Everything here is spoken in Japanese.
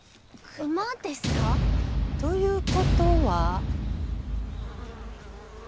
熊ですか！？ということは。